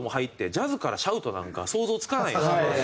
ジャズからシャウトなんか想像つかないですよ。